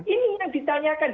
ini yang ditanyakan